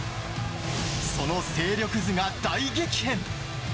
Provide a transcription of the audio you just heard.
その勢力図が大激変！